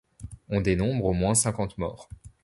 On dénombre au moins cinquante morts.